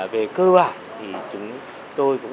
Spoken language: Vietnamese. về cơ bản thì chúng tôi cũng